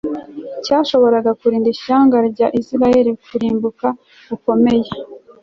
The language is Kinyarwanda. cyashoboraga kurinda ishyanga rya Isirayeli kurimbuka gukomeye